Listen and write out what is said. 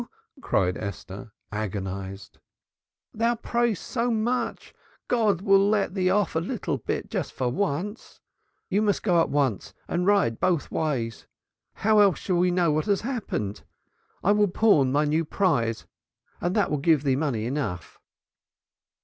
cried Esther agonized. "Thou prayest so much God will let thee off a little bit just for once. Thou must go at once and ride both ways, else how shall we know what has happened? I will pawn my new prize and that will give thee money enough."